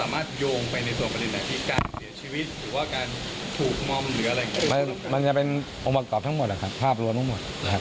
มันจะเป็นองค์ประกอบทั้งหมดภาพรวมทั้งหมด